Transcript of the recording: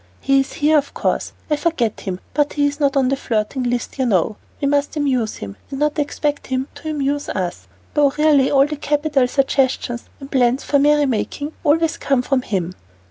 "He is here, of course. I forget him, but he is not on the flirting list, you know. We must amuse him, and not expect him to amuse us, though really, all the capital suggestions and plans for merrymaking always come from him."